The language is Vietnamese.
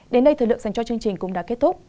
đến đây thời lượng dành cho chương trình cũng đã kết thúc